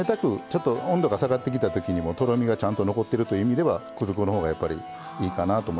ちょっと温度が下がってきたときにもとろみがちゃんと残ってるという意味では粉の方がやっぱりいいかなと思います。